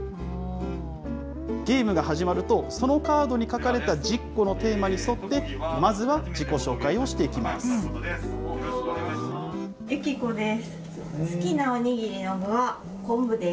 ゲームが始まると、そのカードに書かれた１０個のテーマに沿って、まずは自己紹介をしていきます。